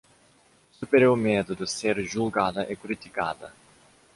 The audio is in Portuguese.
Supere o medo de ser julgada e criticada